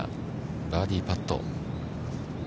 バーディーパット。